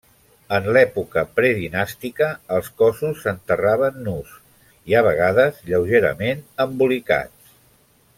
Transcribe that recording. En l'època predinàstica els cossos s'enterraven nus i, a vegades, lleugerament embolicats.